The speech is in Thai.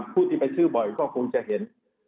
ผู้ที่ไปชื่อบ่อยก็คงจะเห็น